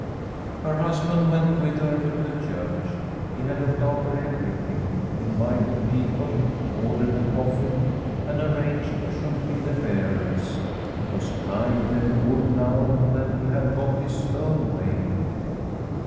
... Her husband went with her to the church ; he had looked after everything, invited people, or dered the coffin, and arranged who should be the bearers. He was kind and good now that he had got his own way.